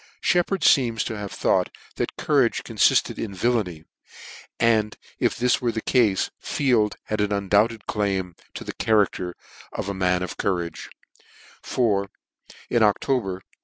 Sheppard fcems to have thought that courage confiikd in villainy ; and it this were the cafe Field had an undoubted claim to the character of a man of coinage 5 for in October.